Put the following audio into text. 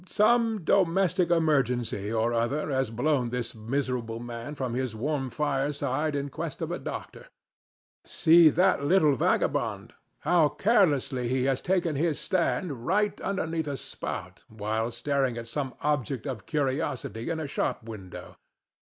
Some domestic emergency or other has blown this miserable man from his warm fireside in quest of a doctor. See that little vagabond! How carelessly he has taken his stand right underneath a spout while staring at some object of curiosity in a shop window!